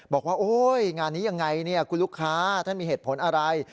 บอกว่าโอ๊ยงานนี้ยังไงเนี่ยคุณลูกค้าท่านมีเหตุผลอะไร